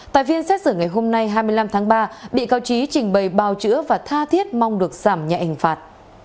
tài viên xét xử ngày hôm nay hai mươi năm tháng ba bị cao trí trình bày bao chữa và tha thiết mong được giảm nhạy ảnh phạt